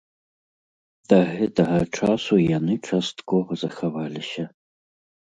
Да гэтага часу яны часткова захаваліся.